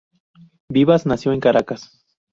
Vivas nació en Caracas.